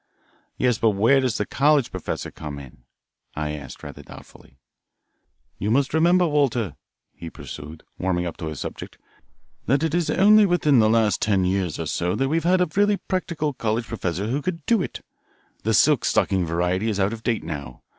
"Yes, but where does the college professor come in?" I asked, rather doubtfully. "You must remember, Walter," he pursued, warming up to his subject, "that it's only within the last ten years or so that we have had the really practical college professor who could do it. The silk stockinged variety is out of date now.